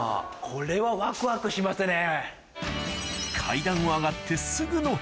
これはワクワクしますね。